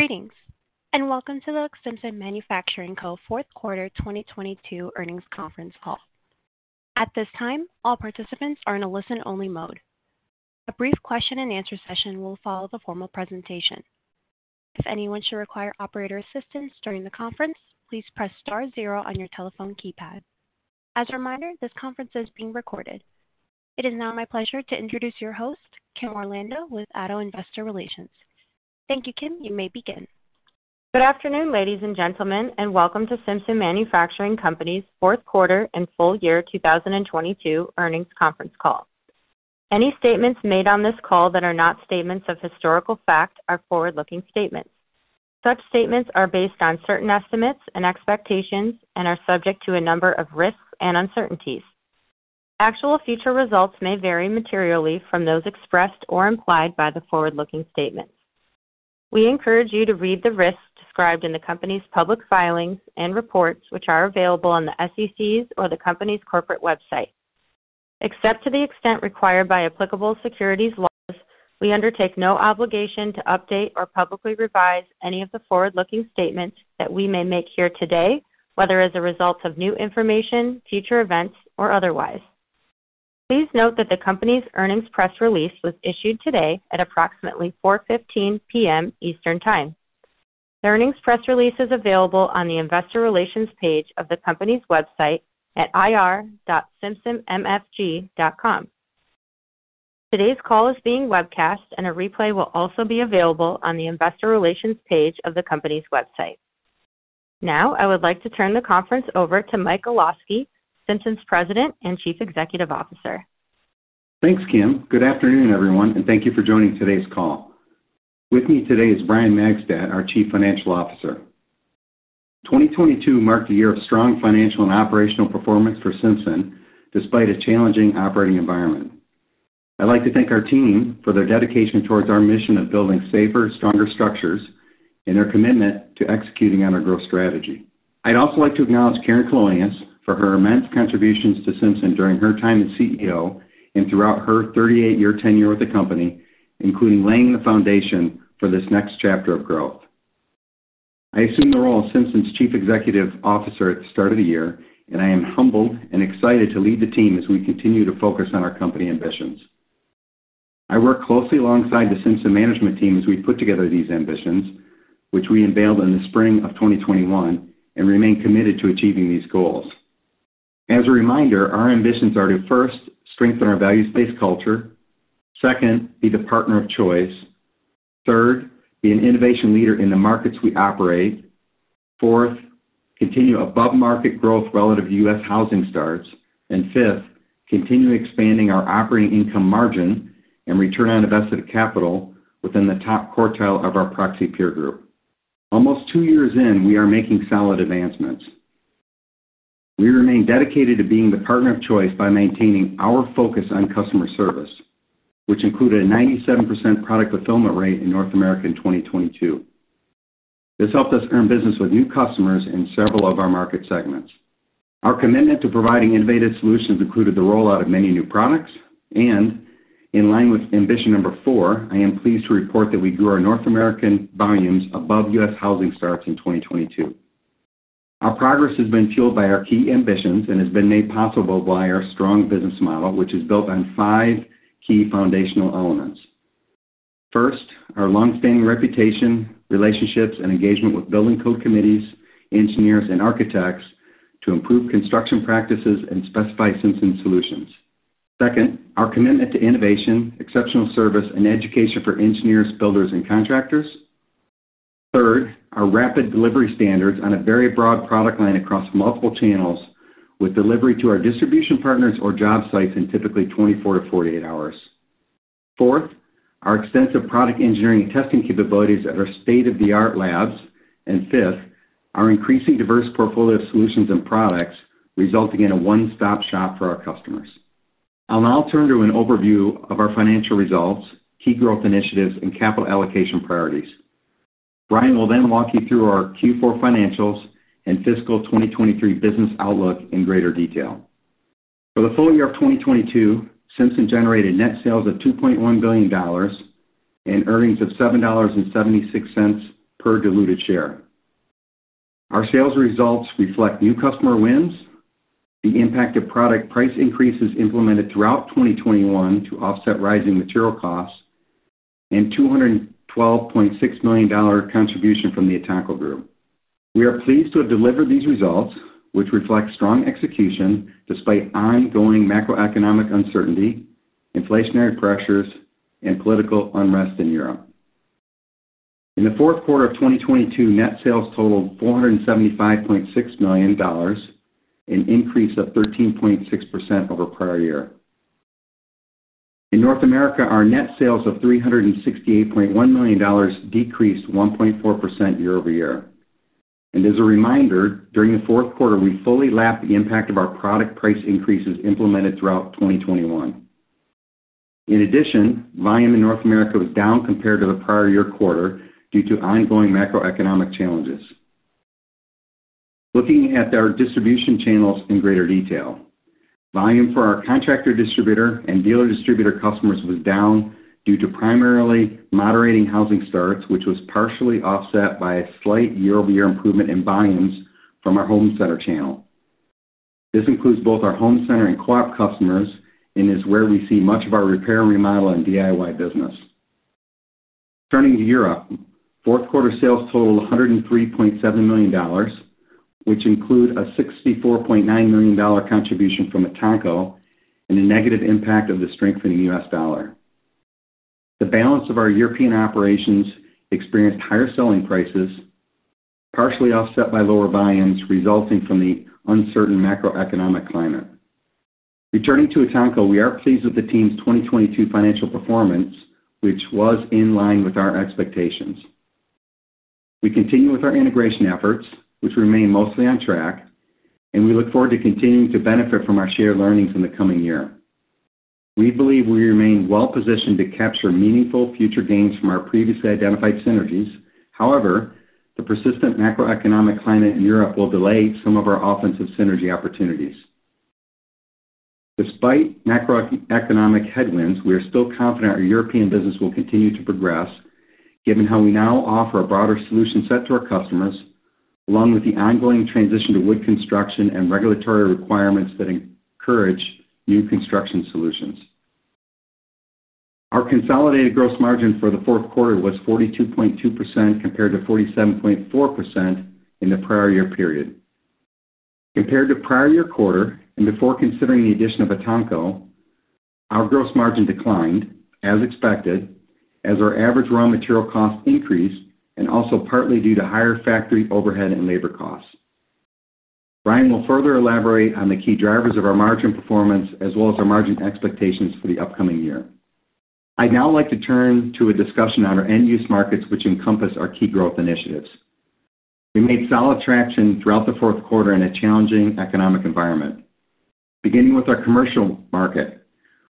Greetings, welcome to the Simpson Manufacturing Co. fourth quarter 2022 earnings conference call. At this time, all participants are in a listen-only mode. A brief question-and-answer session will follow the formal presentation. If anyone should require operator assistance during the conference, please press star zero on your telephone keypad. As a reminder, this conference is being recorded. It is now my pleasure to introduce your host, Kim Orlando, with Addo Investor Relations. Thank you, Kim. You may begin. Good afternoon, ladies and gentlemen, and welcome to Simpson Manufacturing Company's fourth quarter and full year 2022 earnings conference call. Any statements made on this call that are not statements of historical fact are forward-looking statements. Such statements are based on certain estimates and expectations and are subject to a number of risks and uncertainties. Actual future results may vary materially from those expressed or implied by the forward-looking statements. We encourage you to read the risks described in the company's public filings and reports, which are available on the SEC's or the company's corporate website. Except to the extent required by applicable securities laws, we undertake no obligation to update or publicly revise any of the forward-looking statements that we may make here today, whether as a result of new information, future events, or otherwise. Please note that the company's earnings press release was issued today at approximately 4:15 P.M. Eastern Time. The earnings press release is available on the investor relations page of the company's website at ir.simpsonmfg.com. Today's call is being webcast. A replay will also be available on the investor relations page of the company's website. Now, I would like to turn the conference over to Mike Olosky, Simpson's President and Chief Executive Officer. Thanks, Kim. Good afternoon, everyone, thank you for joining today's call. With me today is Brian Magstadt, our Chief Financial Officer. 2022 marked a year of strong financial and operational performance for Simpson despite a challenging operating environment. I'd like to thank our team for their dedication towards our mission of building safer, stronger structures and their commitment to executing on our growth strategy. I'd also like to acknowledge Karen Colonias for her immense contributions to Simpson during her time as CEO and throughout her 38-year tenure with the company, including laying the foundation for this next chapter of growth. I assume the role of Simpson's Chief Executive Officer at the start of the year, I am humbled and excited to lead the team as we continue to focus on our company ambitions. I work closely alongside the Simpson management team as we put together these ambitions, which we unveiled in the spring of 2021, and remain committed to achieving these goals. As a reminder, our ambitions are to, first, strengthen our values-based culture, second, be the partner of choice, third, be an innovation leader in the markets we operate, fourth, continue above-market growth relative to U.S. housing starts, and fifth, continue expanding our operating income margin and return on invested capital within the top quartile of our proxy peer group. Almost two years in, we are making solid advancements. We remain dedicated to being the partner of choice by maintaining our focus on customer service, which included a 97% product fulfillment rate in North America in 2022. This helped us earn business with new customers in several of our market segments. Our commitment to providing innovative solutions included the rollout of many new products. In line with ambition number 4, I am pleased to report that we grew our North American volumes above U.S. housing starts in 2022. Our progress has been fueled by our key ambitions and has been made possible by our strong business model, which is built on five key foundational elements. First, our long-standing reputation, relationships, and engagement with building code committees, engineers, and architects to improve construction practices and specify Simpson solutions. Second, our commitment to innovation, exceptional service, and education for engineers, builders, and contractors. Third, our rapid delivery standards on a very broad product line across multiple channels with delivery to our distribution partners or job sites in typically 24 to 48 hours. Fourth, our extensive product engineering testing capabilities at our state-of-the-art labs. Fifth, our increasing diverse portfolio of solutions and products resulting in a one-stop shop for our customers. I'll now turn to an overview of our financial results, key growth initiatives, and capital allocation priorities. Brian will walk you through our Q4 financials and fiscal 2023 business outlook in greater detail. For the full year of 2022, Simpson generated net sales of $2.1 billion and earnings of $7.76 per diluted share. Our sales results reflect new customer wins, the impact of product price increases implemented throughout 2021 to offset rising material costs, and $212.6 million contribution from the Etanco Group. We are pleased to have delivered these results, which reflect strong execution despite ongoing macroeconomic uncertainty, inflationary pressures, and political unrest in Europe. In the fourth quarter of 2022, net sales totaled $475.6 million, an increase of 13.6% over prior year. In North America, our net sales of $368.1 million decreased 1.4% year-over-year. As a reminder, during the fourth quarter, we fully lapped the impact of our product price increases implemented throughout 2021. In addition, volume in North America was down compared to the prior year quarter due to ongoing macroeconomic challenges. Looking at our distribution channels in greater detail. Volume for our contractor distributor and dealer distributor customers was down due to primarily moderating housing starts, which was partially offset by a slight year-over-year improvement in volumes from our home center channel. This includes both our home center and co-op customers and is where we see much of our repair, remodel, and DIY business. Turning to Europe, fourth quarter sales totaled $103.7 million, which include a $64.9 million contribution from Etanco and a negative impact of the strengthening US dollar. The balance of our European operations experienced higher selling prices, partially offset by lower buy-ins resulting from the uncertain macroeconomic climate. Returning to Etanco, we are pleased with the team's 2022 financial performance, which was in line with our expectations. We continue with our integration efforts, which remain mostly on track, and we look forward to continuing to benefit from our shared learnings in the coming year. We believe we remain well-positioned to capture meaningful future gains from our previously identified synergies. However, the persistent macroeconomic climate in Europe will delay some of our offensive synergy opportunities. Despite macroeconomic headwinds, we are still confident our European business will continue to progress, given how we now offer a broader solution set to our customers, along with the ongoing transition to wood construction and regulatory requirements that encourage new construction solutions. Our consolidated gross margin for the fourth quarter was 42.2% compared to 47.4% in the prior year period. Compared to prior year quarter and before considering the addition of Etanco, our gross margin declined, as expected, as our average raw material costs increased and also partly due to higher factory overhead and labor costs. Brian will further elaborate on the key drivers of our margin performance as well as our margin expectations for the upcoming year. I'd now like to turn to a discussion on our end use markets which encompass our key growth initiatives. We made solid traction throughout the fourth quarter in a challenging economic environment. Beginning with our commercial market,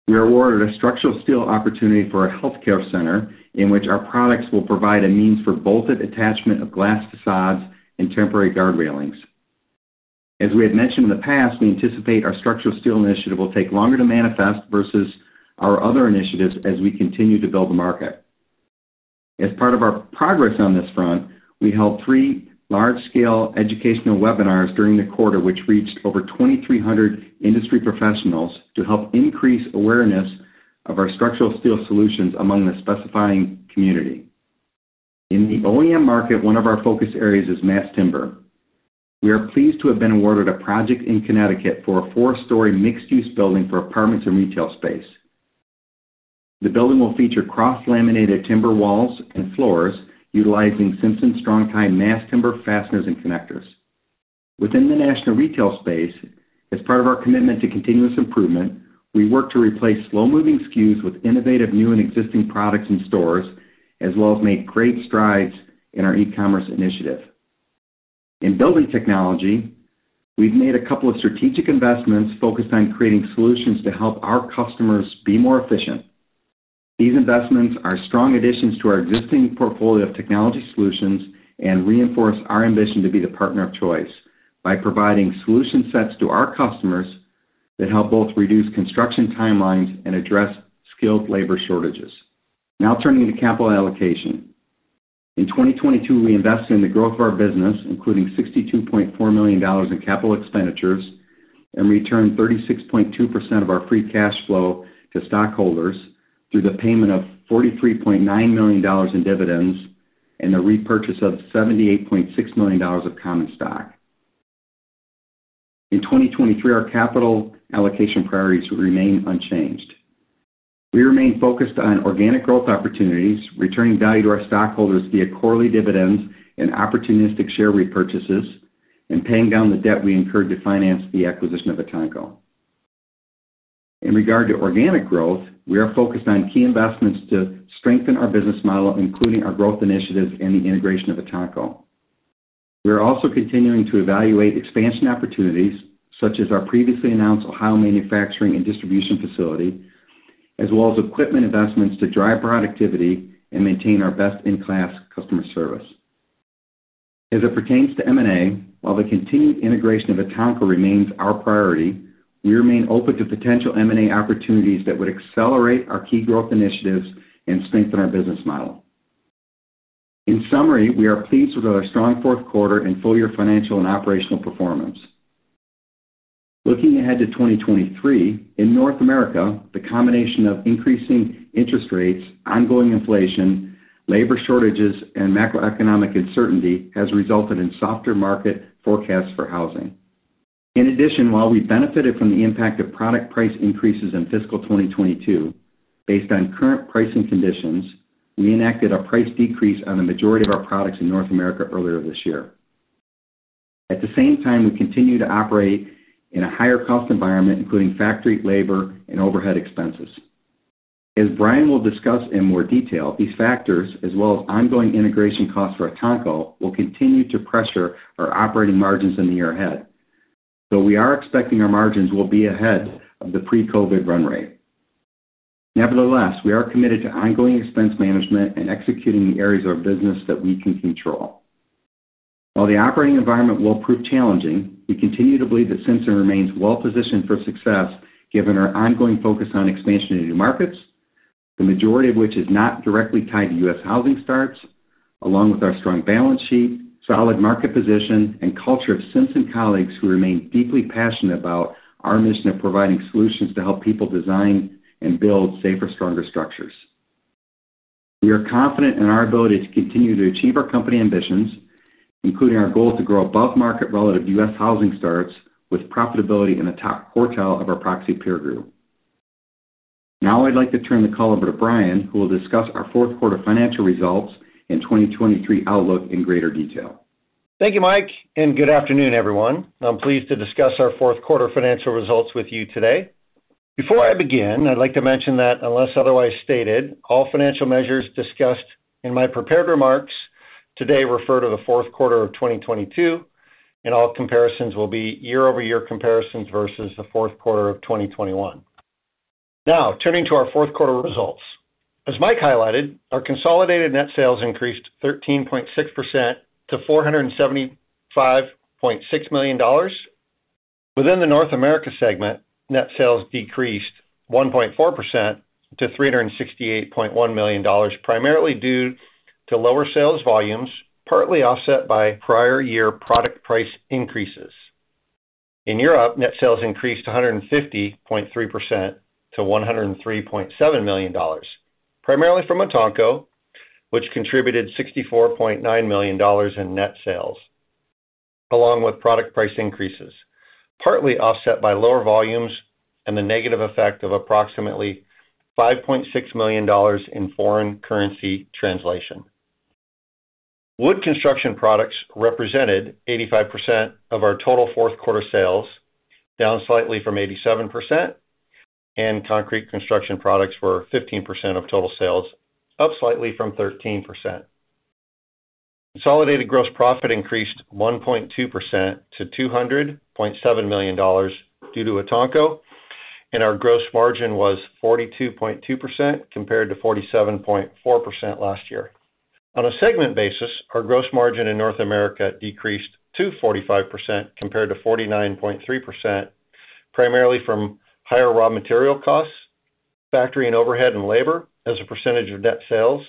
we are awarded a structural steel opportunity for a healthcare center in which our products will provide a means for bolted attachment of glass facades and temporary guard railings. As we had mentioned in the past, we anticipate our structural steel initiative will take longer to manifest versus our other initiatives as we continue to build the market. As part of our progress on this front, we held three large-scale educational webinars during the quarter, which reached over 2,300 industry professionals to help increase awareness of our structural steel solutions among the specifying community. In the OEM market, one of our focus areas is mass timber. We are pleased to have been awarded a project in Connecticut for a four-story mixed-use building for apartments and retail space. The building will feature cross-laminated timber walls and floors utilizing Simpson Strong-Tie mass timber fasteners and connectors. Within the national retail space, as part of our commitment to continuous improvement, we work to replace slow-moving SKUs with innovative new and existing products in stores, as well as made great strides in our e-commerce initiative. In building technology, we've made a couple of strategic investments focused on creating solutions to help our customers be more efficient. These investments are strong additions to our existing portfolio of technology solutions and reinforce our ambition to be the partner of choice by providing solution sets to our customers that help both reduce construction timelines and address skilled labor shortages. Now turning to capital allocation. In 2022, we invested in the growth of our business, including $62.4 million in capital expenditures, and returned 36.2% of our free cash flow to stockholders through the payment of $43.9 million in dividends and the repurchase of $78.6 million of common stock. In 2023, our capital allocation priorities remain unchanged. We remain focused on organic growth opportunities, returning value to our stockholders via quarterly dividends and opportunistic share repurchases, and paying down the debt we incurred to finance the acquisition of Etanco. In regard to organic growth, we are focused on key investments to strengthen our business model, including our growth initiatives and the integration of Etanco. We are also continuing to evaluate expansion opportunities, such as our previously announced Ohio manufacturing and distribution facility, as well as equipment investments to drive productivity and maintain our best-in-class customer service. As it pertains to M&A, while the continued integration of Etanco remains our priority, we remain open to potential M&A opportunities that would accelerate our key growth initiatives and strengthen our business model. In summary, we are pleased with our strong fourth quarter and full-year financial and operational performance. Looking ahead to 2023, in North America, the combination of increasing interest rates, ongoing inflation, labor shortages, and macroeconomic uncertainty has resulted in softer market forecasts for housing. In addition, while we benefited from the impact of product price increases in fiscal 2022, based on current pricing conditions, we enacted a price decrease on the majority of our products in North America earlier this year. At the same time, we continue to operate in a higher cost environment, including factory, labor, and overhead expenses. As Brian will discuss in more detail, these factors, as well as ongoing integration costs for Etanco, will continue to pressure our operating margins in the year ahead. We are expecting our margins will be ahead of the pre-COVID run rate. Nevertheless, we are committed to ongoing expense management and executing the areas of business that we can control. While the operating environment will prove challenging, we continue to believe that Simpson remains well-positioned for success, given our ongoing focus on expansion into new markets, the majority of which is not directly tied to U.S. housing starts, along with our strong balance sheet, solid market position, and culture of Simpson colleagues who remain deeply passionate about our mission of providing solutions to help people design and build safer, stronger structures. We are confident in our ability to continue to achieve our company ambitions, including our goal to grow above-market relative U.S. housing starts with profitability in the top quartile of our proxy peer group. I'd like to turn the call over to Brian, who will discuss our fourth quarter financial results and 2023 outlook in greater detail. Thank you, Mike. Good afternoon, everyone. I'm pleased to discuss our fourth quarter financial results with you today. Before I begin, I'd like to mention that unless otherwise stated, all financial measures discussed in my prepared remarks today refer to the fourth quarter of 2022, and all comparisons will be year-over-year comparisons versus the fourth quarter of 2021. Turning to our fourth quarter results. As Mike highlighted, our consolidated net sales increased 13.6% to $475.6 million. Within the North America segment, net sales decreased 1.4% to $368.1 million, primarily due to lower sales volumes, partly offset by prior year product price increases. In Europe, net sales increased 150.3% to $103.7 million, primarily from Etanco, which contributed $64.9 million in net sales, along with product price increases, partly offset by lower volumes and the negative effect of approximately $5.6 million in foreign currency translation. Wood construction products represented 85% of our total fourth quarter sales, down slightly from 87%, and concrete construction products were 15% of total sales, up slightly from 13%. Consolidated gross profit increased 1.2% to $200.7 million due to Etanco, and our gross margin was 42.2% compared to 47.4% last year. On a segment basis, our gross margin in North America decreased to 45% compared to 49.3%, primarily from higher raw material costs, factory and overhead and labor as a percentage of net sales,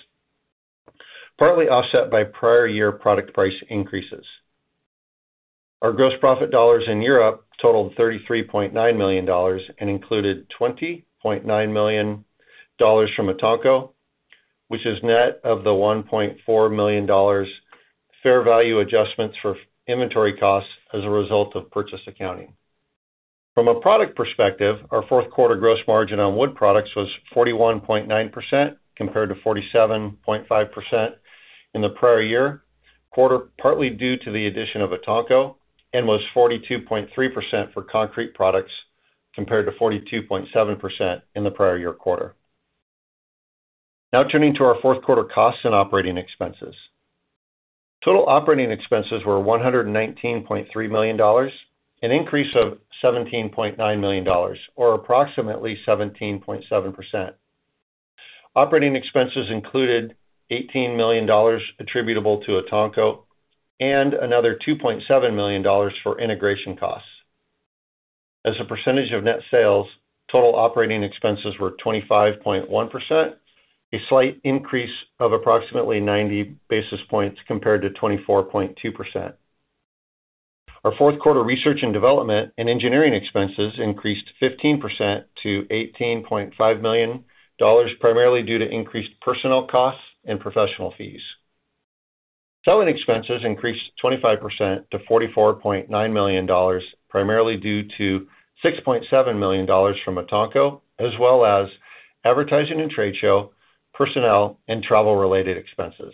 partly offset by prior year product price increases. Our gross profit dollars in Europe totaled $33.9 million and included $20.9 million from Etanco, which is net of the $1.4 million fair value adjustments for inventory costs as a result of purchase accounting. From a product perspective, our fourth quarter gross margin on wood products was 41.9% compared to 47.5% in the prior year quarter, partly due to the addition of Etanco, and was 42.3% for concrete products compared to 42.7% in the prior year quarter. Now turning to our fourth quarter costs and operating expenses. Total operating expenses were $119.3 million, an increase of $17.9 million or approximately 17.7%. Operating expenses included $18 million attributable to Etanco and another $2.7 million for integration costs. As a percentage of net sales, total operating expenses were 25.1%, a slight increase of approximately 90 basis points compared to 24.2%. Our fourth quarter research and development and engineering expenses increased 15% to $18.5 million, primarily due to increased personnel costs and professional fees. Selling expenses increased 25% to $44.9 million, primarily due to $6.7 million from Etanco, as well as advertising and trade show, personnel, and travel related expenses.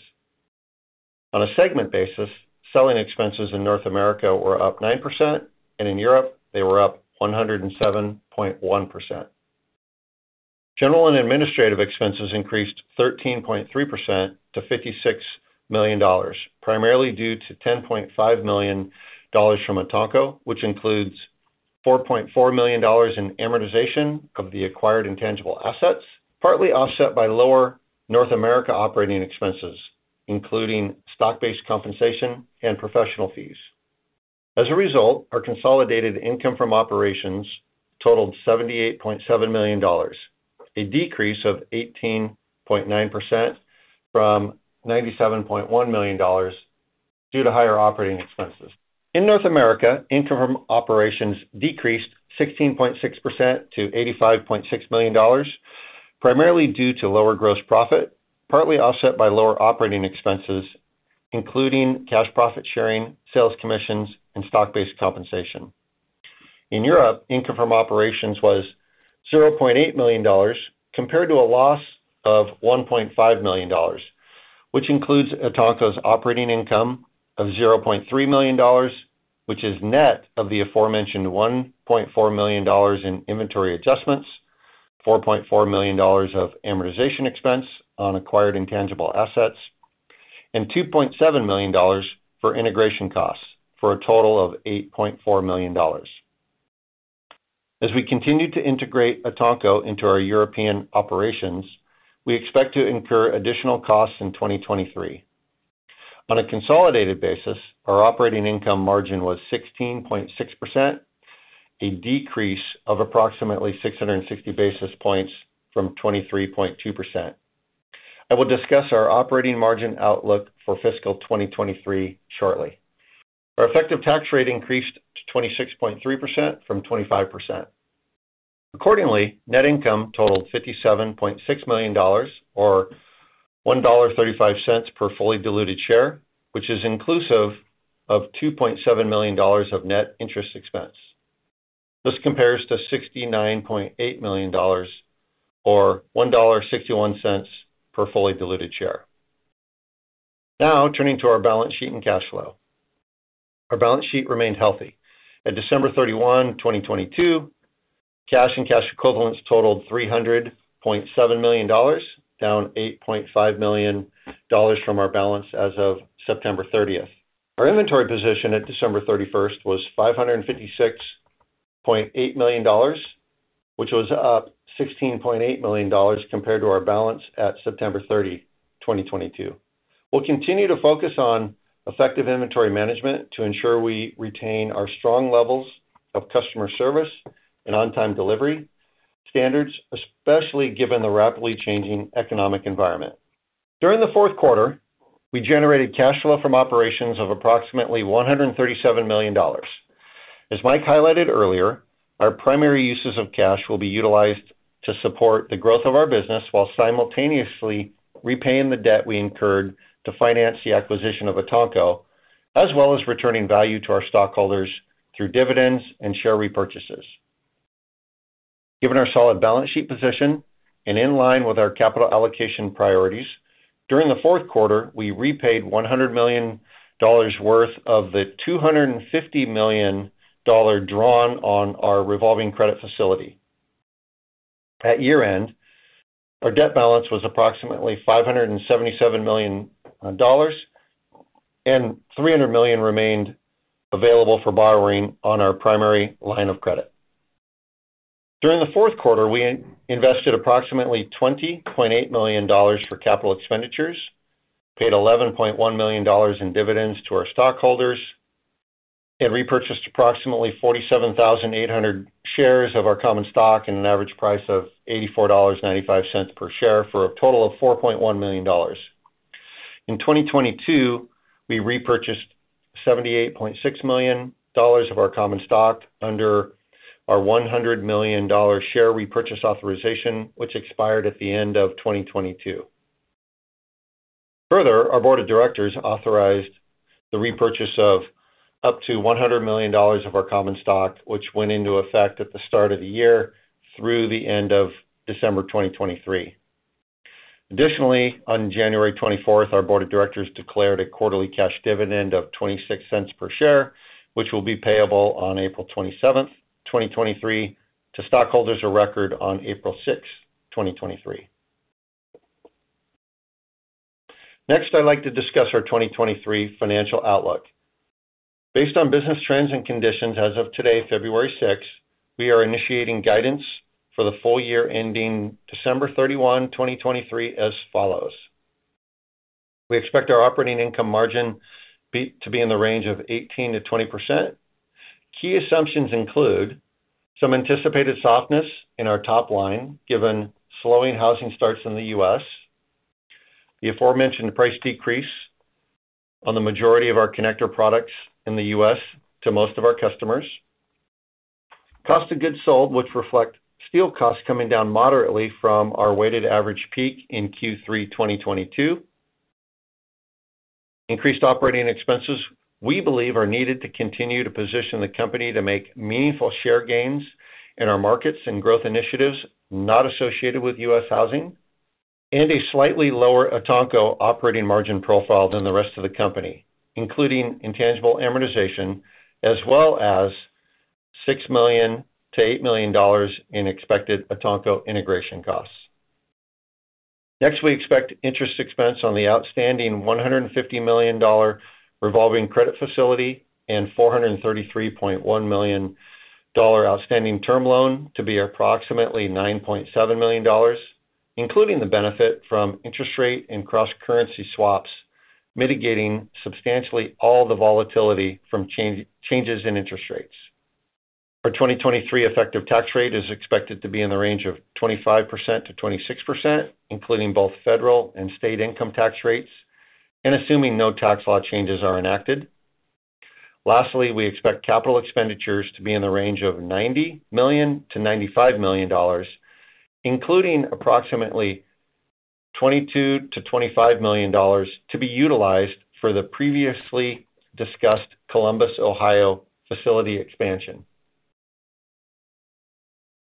On a segment basis, selling expenses in North America were up 9%, and in Europe, they were up 107.1%. General and administrative expenses increased 13.3% to $56 million, primarily due to $10.5 million from Etanco, which includes $4.4 million in amortization of the acquired intangible assets, partly offset by lower North America operating expenses, including stock-based compensation and professional fees. As a result, our consolidated income from operations totaled $78.7 million, a decrease of 18.9% from $97.1 million due to higher operating expenses. In North America, income from operations decreased 16.6% to $85.6 million, primarily due to lower gross profit, partly offset by lower operating expenses, including cash profit sharing, sales commissions, and stock-based compensation. In Europe, income from operations was $0.8 million compared to a loss of $1.5 million, which includes Etanco's operating income of $0.3 million, which is net of the aforementioned $1.4 million in inventory adjustments, $4.4 million of amortization expense on acquired intangible assets, and $2.7 million for integration costs, for a total of $8.4 million. As we continue to integrate Etanco into our European operations, we expect to incur additional costs in 2023. On a consolidated basis, our operating income margin was 16.6%, a decrease of approximately 660 basis points from 23.2%. I will discuss our operating margin outlook for fiscal 2023 shortly. Our effective tax rate increased to 26.3% from 25%. Accordingly, net income totaled $57.6 million or $1.35 per fully diluted share, which is inclusive of $2.7 million of net interest expense. This compares to $69.8 million or $1.61 per fully diluted share. Turning to our balance sheet and cash flow. Our balance sheet remained healthy. At December 31, 2022, cash and cash equivalents totaled $300.7 million, down $8.5 million from our balance as of September 30th. Our inventory position at December 31st was $556.8 million, which was up $16.8 million compared to our balance at September 30, 2022. We'll continue to focus on effective inventory management to ensure we retain our strong levels of customer service and on-time delivery standards, especially given the rapidly changing economic environment. During the fourth quarter, we generated cash flow from operations of approximately $137 million. As Mike Olosky highlighted earlier, our primary uses of cash will be utilized to support the growth of our business while simultaneously repaying the debt we incurred to finance the acquisition of Etanco, as well as returning value to our stockholders through dividends and share repurchases. Given our solid balance sheet position and in line with our capital allocation priorities, during the fourth quarter, we repaid $100 million worth of the $250 million drawn on our revolving credit facility. At year-end, our debt balance was approximately $577 million, and $300 million remained available for borrowing on our primary line of credit. During the fourth quarter, we invested approximately $20.8 million for capital expenditures, paid $11.1 million in dividends to our stockholders, and repurchased approximately 47,800 shares of our common stock at an average price of $84.95 per share for a total of $4.1 million. In 2022, we repurchased $78.6 million of our common stock under our $100 million share repurchase authorization, which expired at the end of 2022. Our board of directors authorized the repurchase of up to $100 million of our common stock, which went into effect at the start of the year through the end of December 2023. On January twenty-fourth, our board of directors declared a quarterly cash dividend of $0.26 per share, which will be payable on April twenty-seventh, 2023, to stockholders of record on April sixth, 2023. I'd like to discuss our 2023 financial outlook. Based on business trends and conditions as of today, February sixth, we are initiating guidance for the full year ending December thirty-one, 2023 as follows: We expect our operating income margin to be in the range of 18%-20%. Key assumptions include some anticipated softness in our top line, given slowing housing starts in the US, the aforementioned price decrease on the majority of our connector products in the US to most of our customers. Cost of goods sold, which reflect steel costs coming down moderately from our weighted average peak in Q3 2022. Increased operating expenses we believe are needed to continue to position the company to make meaningful share gains in our markets and growth initiatives not associated with US housing. A slightly lower Etanco operating margin profile than the rest of the company, including intangible amortization as well as $6 million-$8 million in expected Etanco integration costs. We expect interest expense on the outstanding $150 million revolving credit facility and $433.1 million outstanding term loan to be approximately $9.7 million, including the benefit from interest rate and cross-currency swaps, mitigating substantially all the volatility from changes in interest rates. Our 2023 effective tax rate is expected to be in the range of 25%-26%, including both federal and state income tax rates, and assuming no tax law changes are enacted. We expect capital expenditures to be in the range of $90 million-$95 million, including approximately $22 million-$25 million to be utilized for the previously discussed Columbus, Ohio, facility expansion.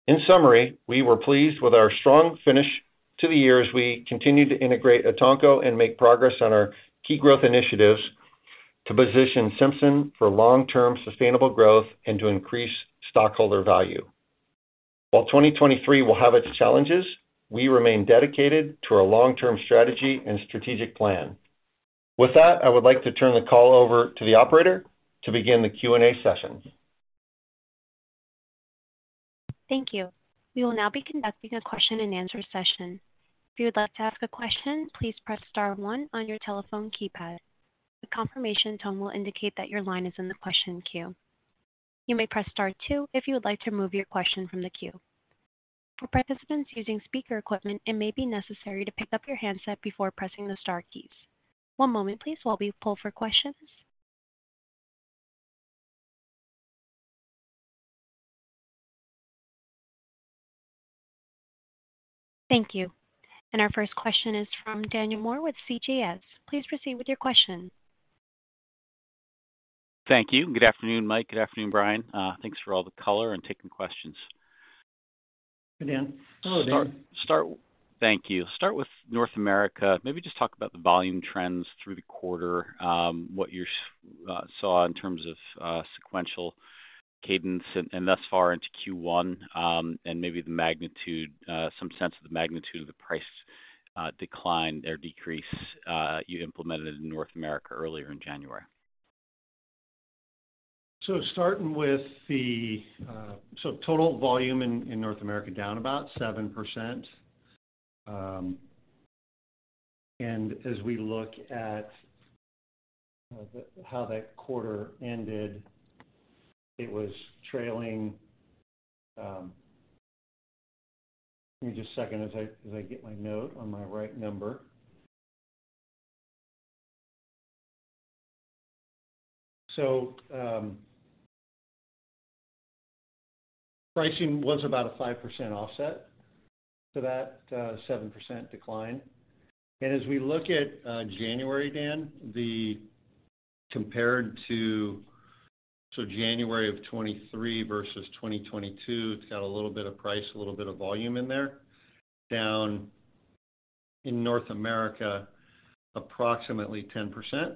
In summary, we were pleased with our strong finish to the year as we continued to integrate Etanco and make progress on our key growth initiatives to position Simpson for long-term sustainable growth and to increase stockholder value. While 2023 will have its challenges, we remain dedicated to our long-term strategy and strategic plan. With that, I would like to turn the call over to the operator to begin the Q&A session. Thank you. We will now be conducting a question-and-answer session. If you would like to ask a question, please press star one on your telephone keypad. The confirmation tone will indicate that your line is in the question queue. You may press Star two if you would like to remove your question from the queue. For participants using speaker equipment, it may be necessary to pick up your handset before pressing the star keys. One moment please, while we pull for questions. Thank you. Our first question is from Daniel Moore with CJS. Please proceed with your question. Thank you. Good afternoon, Mike. Good afternoon, Brian. Thanks for all the color and taking questions. Hey, Dan. Hello, Dan. Start... Thank you. Start with North America. Maybe just talk about the volume trends through the quarter, what you saw in terms of sequential cadence and thus far into Q1, and maybe some sense of the magnitude of the price decline or decrease you implemented in North America earlier in January. Starting with the total volume in North America down about 7%. As we look at the how that quarter ended, it was trailing. Give me just a second as I get my note on my right number. Pricing was about a 5% offset to that 7% decline. As we look at January, Dan, the compared to January of 2023 versus 2022, it's got a little bit of price, a little bit of volume in there. Down in North America, approximately 10%.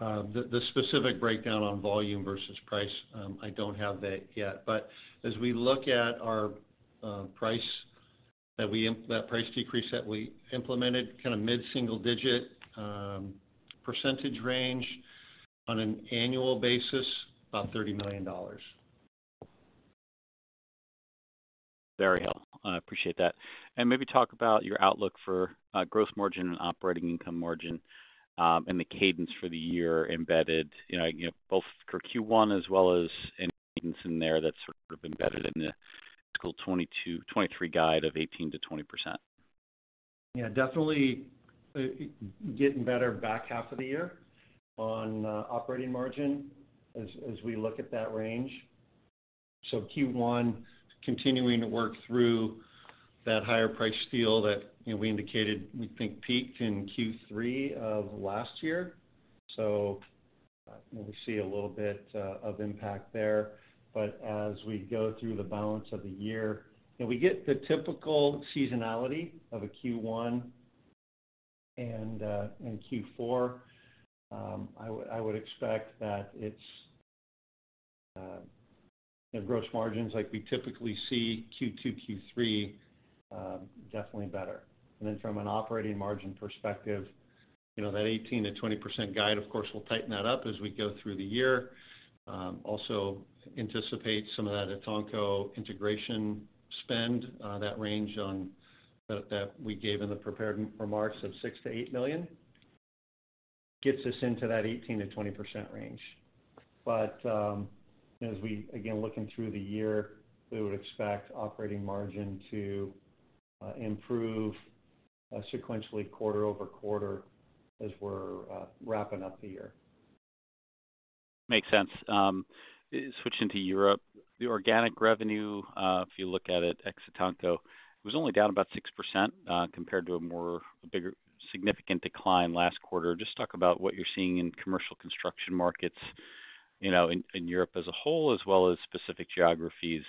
The specific breakdown on volume versus price, I don't have that yet. As we look at our price that we that price decrease that we implemented, kind of mid-single digit percentage range on an annual basis, about $30 million. Very helpful. I appreciate that. Maybe talk about your outlook for gross margin and operating income margin, and the cadence for the year embedded, you know, both for Q1 as well as any cadence in there that's sort of embedded in the fiscal 2022-2023 guide of 18%-20%. Yeah, definitely, getting better back half of the year on operating margin as we look at that range. Q one, continuing to work through that higher price steel that, you know, we indicated we think peaked in Q three of last year. We see a little bit of impact there. As we go through the balance of the year, you know, we get the typical seasonality of a Q one and Q four. I would, I would expect that it's, you know, gross margins like we typically see Q two, Q three, definitely better. From an operating margin perspective, you know that 18%-20% guide, of course, we'll tighten that up as we go through the year. Also anticipate some of that Etanco integration spend, that range that we gave in the prepared remarks of $6 million-$8 million gets us into that 18%-20% range. Again, looking through the year, we would expect operating margin to improve sequentially quarter-over-quarter as we're wrapping up the year. Makes sense. Switching to Europe, the organic revenue, if you look at it ex Etanco, it was only down about 6% compared to a more, a bigger significant decline last quarter. Just talk about what you're seeing in commercial construction markets, you know, in Europe as a whole, as well as specific geographies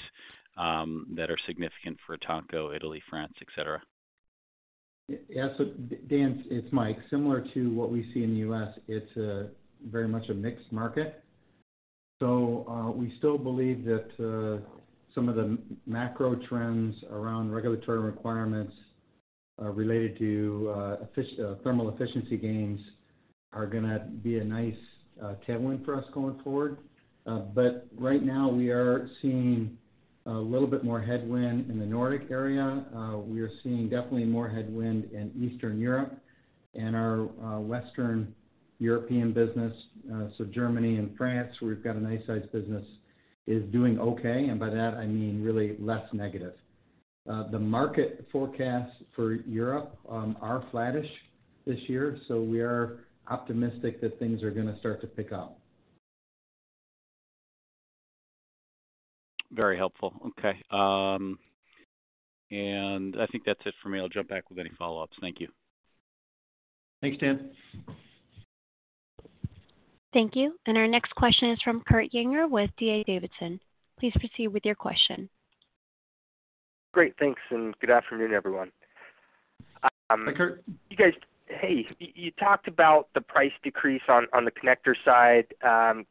that are significant for Etanco, Italy, France, et cetera. Dan, it's Mike. Similar to what we see in the U.S., it's a very much a mixed market. We still believe that some of the macro trends around regulatory requirements related to thermal efficiency gains are going to be a nice tailwind for us going forward. Right now we are seeing a little bit more headwind in the Nordic area. We are seeing definitely more headwind in Eastern Europe and our Western European business. Germany and France, we've got a nice sized business is doing okay, and by that I mean really less negative. The market forecasts for Europe are flattish this year. We are optimistic that things are going to start to pick up. Very helpful. Okay, I think that's it for me. I'll jump back with any follow-ups. Thank you. Thanks, Dan. Thank you. Our next question is from Kurt Yinger with D.A. Davidson. Please proceed with your question. Great. Thanks, and good afternoon, everyone. Hey, Kurt. You guys. Hey, you talked about the price decrease on the connector side.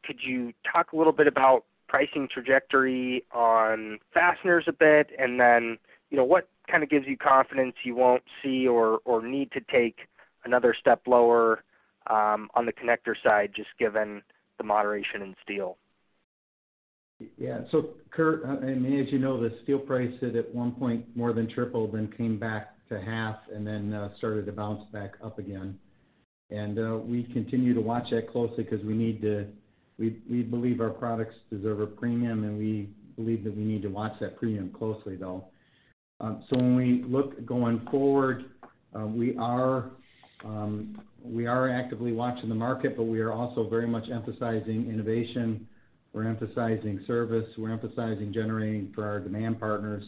Could you talk a little bit about pricing trajectory on fasteners a bit? You know, what kind of gives you confidence you won't see or need to take another step lower on the connector side just given the moderation in steel? Yeah. Kurt, as you know, the steel price sit at one point more than tripled, then came back to half, and then started to bounce back up again. We continue to watch that closely because we believe our products deserve a premium, and we believe that we need to watch that premium closely, though. When we look going forward, we are actively watching the market, but we are also very much emphasizing innovation, we're emphasizing service, we're emphasizing generating for our demand partners.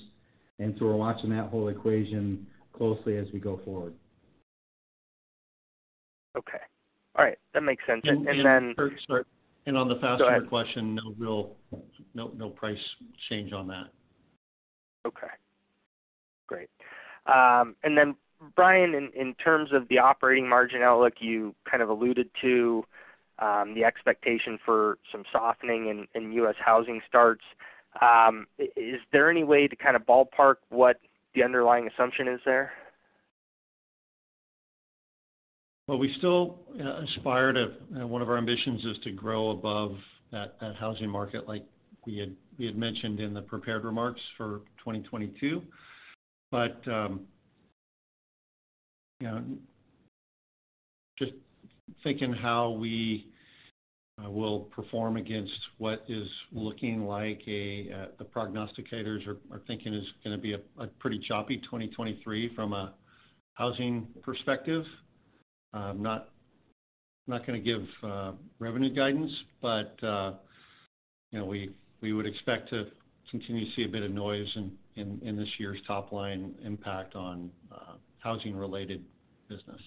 We're watching that whole equation closely as we go forward. Okay. All right. That makes sense. then Kurt, sorry. Go ahead. On the fastener question, no price change on that. Okay, great. Brian, in terms of the operating margin outlook, you kind of alluded to, the expectation for some softening in U.S. housing starts. Is there any way to kind of ballpark what the underlying assumption is there? Well, we still, you know, one of our ambitions is to grow above that housing market like we had mentioned in the prepared remarks for 2022. You know, just thinking how we will perform against what is looking like the prognosticators are thinking is gonna be a pretty choppy 2023 from a housing perspective, I'm not gonna give revenue guidance, but, you know, we would expect to continue to see a bit of noise in this year's top line impact on housing-related business.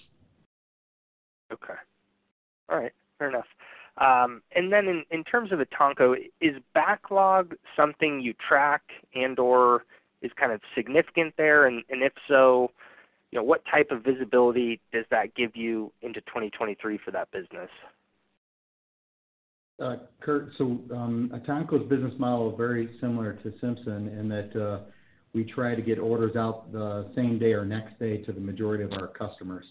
Okay. All right. Fair enough. In terms of Etanco, is backlog something you track and/or is kind of significant there? If so, you know, what type of visibility does that give you into 2023 for that business? Kurt, Etanco's business model is very similar to Simpson in that we try to get orders out the same day or next day to the majority of our customers.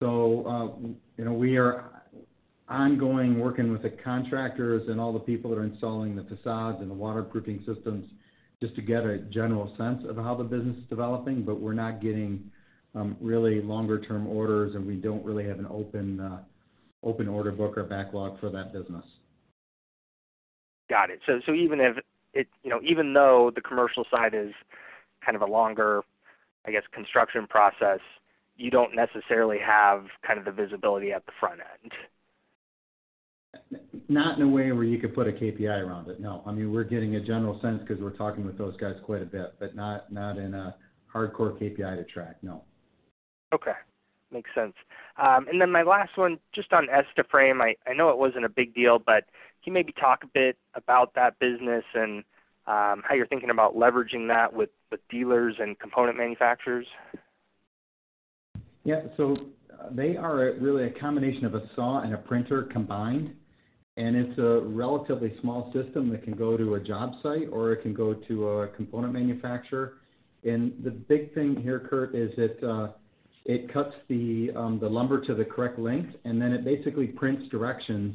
You know, we are ongoing working with the contractors and all the people that are installing the facades and the waterproofing systems just to get a general sense of how the business is developing, but we're not getting really longer term orders, and we don't really have an open open order book or backlog for that business. Got it. You know, even though the commercial side is kind of a longer, I guess, construction process, you don't necessarily have kind of the visibility at the front end. Not in a way where you could put a KPI around it. No. I mean, we're getting a general sense 'cause we're talking with those guys quite a bit, but not in a hardcore KPI to track. No. Okay. Makes sense. My last one, just on EstiFrame. I know it wasn't a big deal, but can you maybe talk a bit about that business and how you're thinking about leveraging that with dealers and component manufacturers? Yeah. They are really a combination of a saw and a printer combined, and it's a relatively small system that can go to a job site or it can go to a component manufacturer. The big thing here, Kurt, is that it cuts the lumber to the correct length, and then it basically prints directions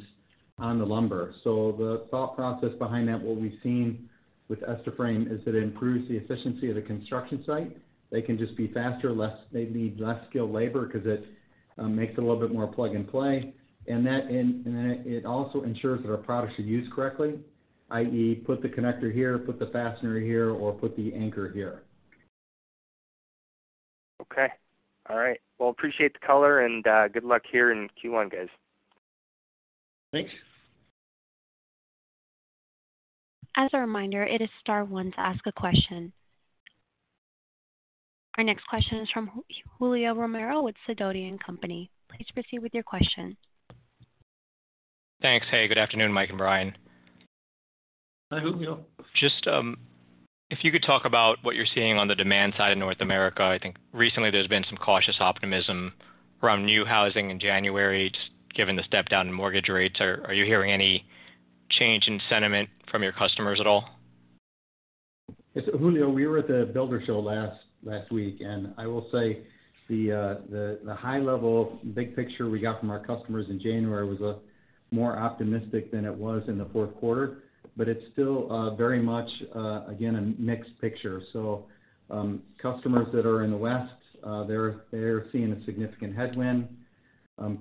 on the lumber. The thought process behind that, what we've seen with EstiFrame is that it improves the efficiency of the construction site. They can just be faster, they need less skilled labor 'cause it makes it a little bit more plug-and-play. Then it also ensures that our products are used correctly, i.e., put the connector here, put the fastener here, or put the anchor here. Okay. All right. Well, appreciate the color. Good luck here in Q1, guys. Thanks. As a reminder, it is star one to ask a question. Our next question is from Julio Romero with Sidoti & Company. Please proceed with your question. Thanks. Hey, good afternoon, Mike and Brian. Hi, Julio. If you could talk about what you're seeing on the demand side of North America. I think recently there's been some cautious optimism around new housing in January, just given the step down in mortgage rates. Are you hearing any change in sentiment from your customers at all? Yes. Julio, we were at the builder show last week, and I will say the high level big picture we got from our customers in January was more optimistic than it was in the fourth quarter. It's still very much again a mixed picture. Customers that are in the West, they're seeing a significant headwind.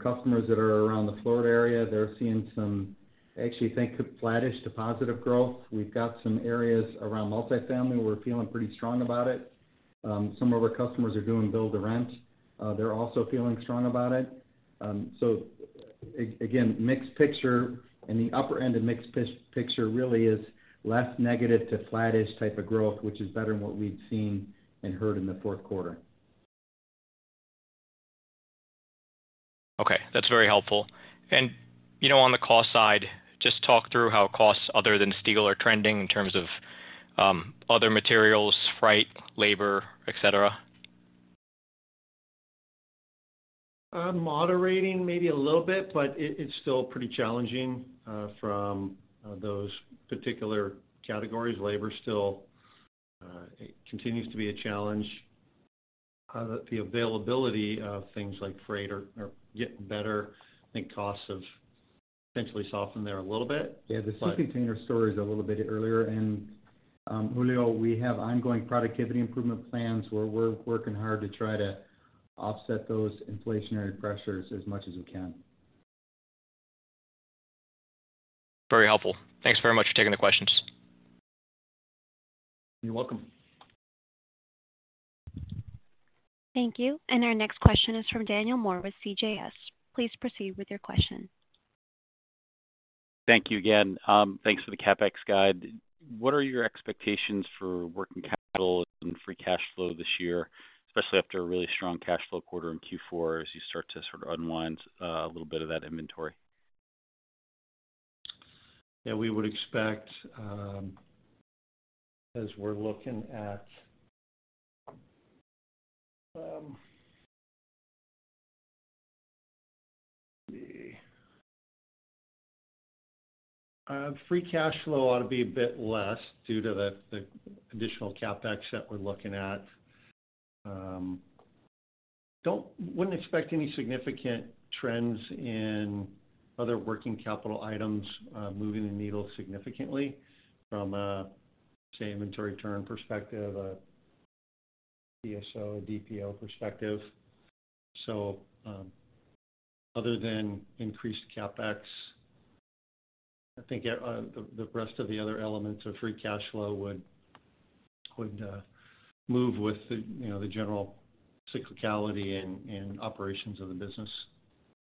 Customers that are around the Florida area, they're seeing some, I actually think, flattish to positive growth. We've got some areas around multifamily, we're feeling pretty strong about it. Some of our customers are doing build-to-rent, they're also feeling strong about it. Again, mixed picture. In the upper end of mixed picture really is less negative to flattish type of growth, which is better than what we've seen and heard in the fourth quarter. Okay, that's very helpful. You know, on the cost side, just talk through how costs other than steel are trending in terms of other materials, freight, labor, et cetera. Moderating maybe a little bit, but it's still pretty challenging from those particular categories. Labor is still continues to be a challenge. The availability of things like freight are getting better. I think costs have potentially softened there a little bit. Yeah. The sea container story is a little bit earlier. Julio, we have ongoing productivity improvement plans where we're working hard to try to offset those inflationary pressures as much as we can. Very helpful. Thanks very much for taking the questions. You're welcome. Thank you. Our next question is from Daniel Moore with CJS. Please proceed with your question. Thank you again. Thanks for the CapEx guide. What are your expectations for working capital and free cash flow this year, especially after a really strong cash flow quarter in Q4 as you start to sort of unwind, a little of that inventory? Yeah, we would expect, as we're looking at. Let's see. Free cash flow ought to be a bit less due to the additional CapEx that we're looking at. We wouldn't expect any significant trends in other working capital items, moving the needle significantly from a, say, inventory turn perspective, a DSO, DPO perspective. Other than increased CapEx, I think, the rest of the other elements of free cash flow would move with the, you know, the general cyclicality and operations of the business.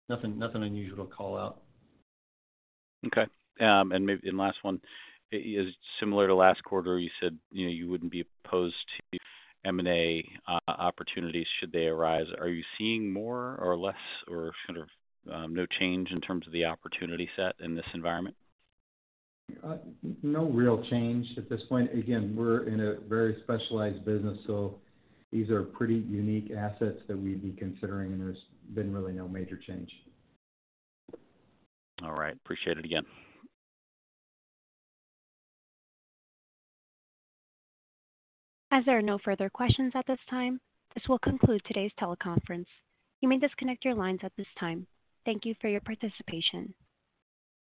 Nothing unusual to call out. Okay. Last one. Similar to last quarter, you said, you know, you wouldn't be opposed to M&A opportunities should they arise. Are you seeing more or less or sort of, no change in terms of the opportunity set in this environment? No real change at this point. We're in a very specialized business, so these are pretty unique assets that we'd be considering, and there's been really no major change. All right. Appreciate it again. As there are no further questions at this time, this will conclude today's teleconference. You may disconnect your lines at this time. Thank you for your participation.